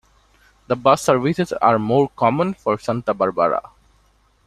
The bus services are more common for Santa Barbara.